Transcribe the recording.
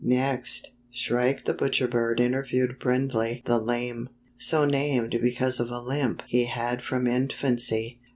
'" Next, Shrike the Butcher Bird interviewed Brindley the Lame, so named because of a limp he had from infancy.